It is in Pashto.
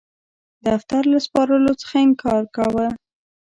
دفتر له سپارلو څخه انکار کاوه.